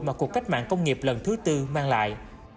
mà cuộc cách mạng công nghiệp lần thứ tư mang lại